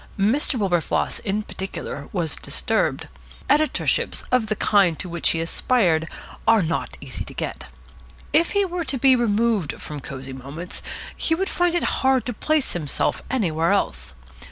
Mr. Wilberfloss in particular was disturbed. Editorships of the kind which he aspired to are not easy to get. If he were to be removed from Cosy Moments he would find it hard to place himself anywhere else.